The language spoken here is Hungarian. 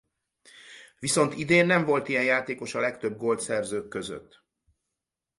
Viszont idén nem volt ilyen játékos a legtöbb gólt szerzők között.